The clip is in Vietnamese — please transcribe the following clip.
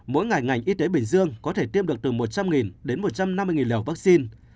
mỗi ngày ngành y tế bình dương có thể tiêm được từ một trăm linh đến một trăm năm mươi liều vaccine